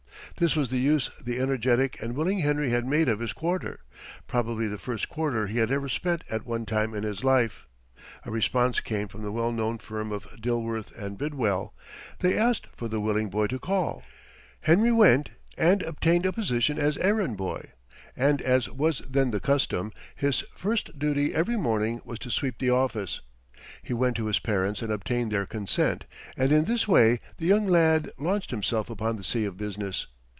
This was the use the energetic and willing Harry had made of his quarter, probably the first quarter he had ever spent at one time in his life. A response came from the well known firm of Dilworth and Bidwell. They asked the "willing boy" to call. Harry went and obtained a position as errand boy, and as was then the custom, his first duty every morning was to sweep the office. He went to his parents and obtained their consent, and in this way the young lad launched himself upon the sea of business.